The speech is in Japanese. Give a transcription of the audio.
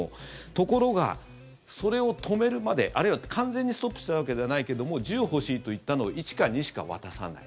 ところが、それを止めるまであるいは完全にストップしたわけではないけども１０欲しいといったのを１か２しか渡さない。